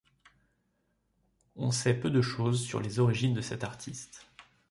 On sait peu de chose sur les origines de cet artiste.